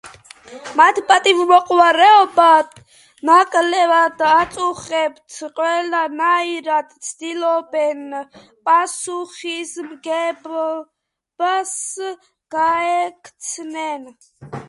მათ პატივმოყვარეობა ნაკლებად აწუხებთ, ყველანაირად ცდილობენ პასუხისმგებლობას გაექცნენ.